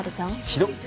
ひどっ